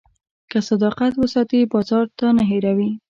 که صداقت وساتې، بازار تا نه هېروي.